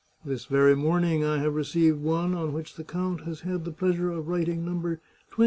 This very morning I have received one on which the count has had the pleasure of writing No.